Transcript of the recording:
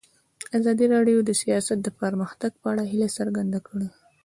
ازادي راډیو د سیاست د پرمختګ په اړه هیله څرګنده کړې.